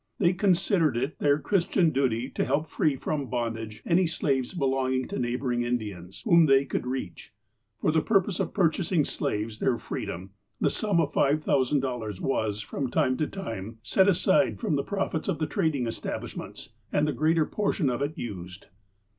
They consid ered it their Christian duty to help to free from bondage any slaves belonging to neighbouring Indians, whom they could reach. For the purpose of purchasing slaves their freedom, the sum of $5,000 was, from time to time, set aside from the profits of the trading establishments, and the greater portion of it used.